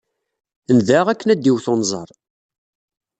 Nedɛa akken ad d-iwet wenẓar.